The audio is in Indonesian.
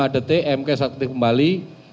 lima detik m cache aktif kembali